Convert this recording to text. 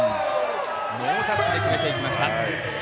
ノータッチで決めていきました。